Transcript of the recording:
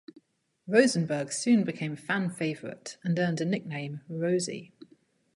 Rosenberg soon became fan favourite and earned a nickname "Rosi".